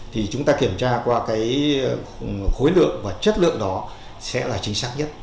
thì chúng ta kiểm tra qua cái khối lượng và chất lượng đó sẽ là chính xác nhất